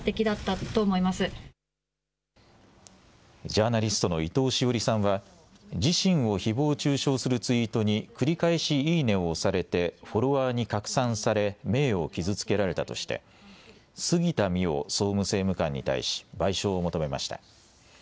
ジャーナリストの伊藤詩織さんは自身をひぼう中傷するツイートに繰り返しいいねを押されてフォロワーに拡散され名誉を傷つけられたとして杉田水脈総務政務官に対し賠償を求めました。